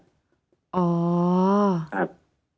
ครับ